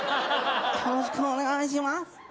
よろしくお願いします